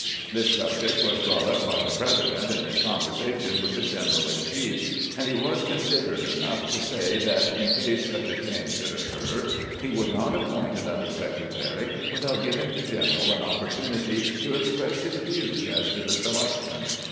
This subject was brought up by the President in his conversation with the general in chief, and he was considerate enough to say that in case such a change should occur, he would not appoint another secretary without giving the general an opportunity to express his views as to the selection.